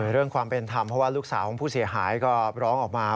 เรื่องความเป็นธรรมเพราะว่าลูกสาวของผู้เสียหายก็ร้องออกมา